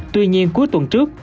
tuy nhiên cuối tuần trước